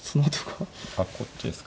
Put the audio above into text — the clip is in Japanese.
あっこっちですか。